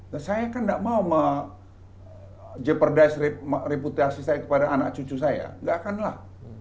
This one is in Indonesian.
nah saya kan nggak mau jeopardize reputasi saya kepada anak cucu saya nggak akan lah